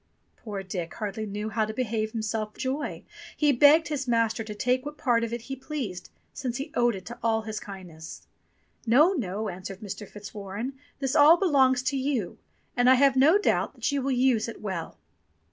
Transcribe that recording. Poor Dick hardly knew how to behave himself for joy. He begged his master to take what part of it he pleased, since he owed it all to his kindness. "No, no," answered Mr. Fitzwarren, "this all belongs to you; and I have no doubt that you will use it well."